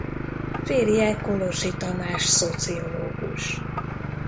Férje Kolosi Tamás szociológus.